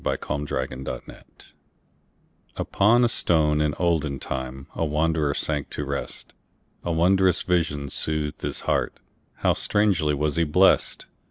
Isaacs Pillow and Stone UPON a stone in olden timeA wanderer sank to rest.A wondrous vision soothed his heartHow strangely was he blessed!